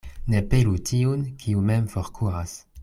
Ne pelu tiun, kiu mem forkuras.